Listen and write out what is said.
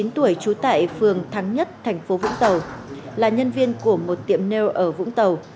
một mươi chín tuổi chú tại phường thắng nhất thành phố vũng tàu là nhân viên của một tiệm nail ở vũng tàu